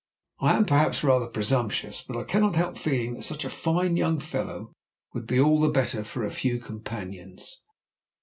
I am perhaps rather presumptuous, but I cannot help feeling that such a fine young fellow would be all the better for a few companions."